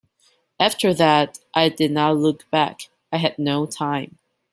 After that I did not look back; I had no time.